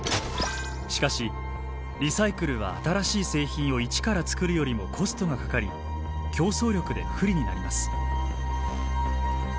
しかしリサイクルは新しい製品を一から作るよりもコストがかかり競争力で不利になります。